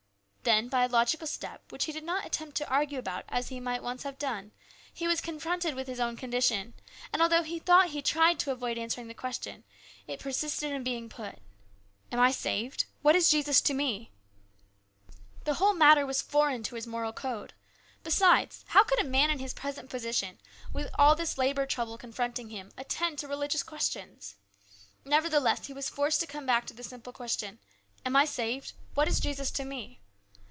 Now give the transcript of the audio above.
Then, by a logical step, which he did not attempt to argue about as he might once have done, he was confronted with his own condition, and although he thought he tried to avoid answering the question, it persisted in being put :" Am I saved ? What is Jesus to me ?" The whole matter was foreign to his moral code. Besides, how could a man in his present position, with all this labour trouble confronting him, attend to religious questions ? Nevertheless, he was forced to come back to the simple question, " Am I saved ? What is Jesus to me